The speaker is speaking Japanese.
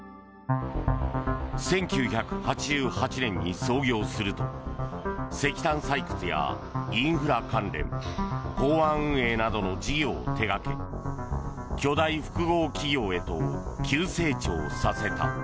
１９８８年に創業すると石炭採掘やインフラ関連港湾運営などの事業を手掛け巨大複合企業へと急成長させた。